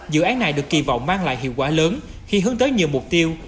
dự án này được kỳ vọng mang lại hiệu quả lớn khi hướng tới nhiều mục tiêu